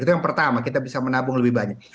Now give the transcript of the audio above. itu yang pertama kita bisa menabung lebih banyak